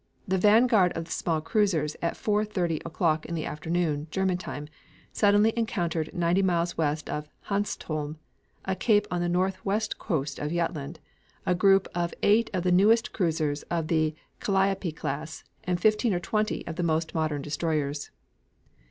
The vanguard of the small cruisers at 4.30 o'clock in the afternoon (German time) suddenly encountered ninety miles west of Hanstholm, (a cape on the northwest coast of Jutland), a group of eight of the newest cruisers of the Calliope class and fifteen or twenty of the most modern destroyers.